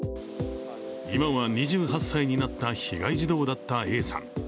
今は２８歳になった被害児童だったＡさん。